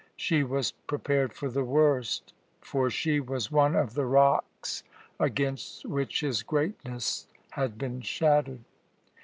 She was prepared for the worst, for she was one of the rocks against which his greatness had been shattered.